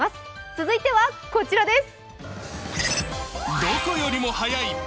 続いてはこちらです。